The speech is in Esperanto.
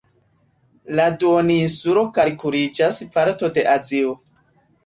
La duoninsulo kalkuliĝas parto de Azio.